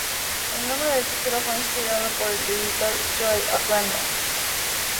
El nombre del título fue inspirado por el editor Joe Orlando.